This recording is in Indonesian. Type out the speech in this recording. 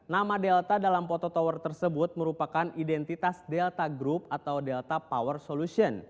nama delta dalam foto tower tersebut merupakan identitas delta group atau delta power solution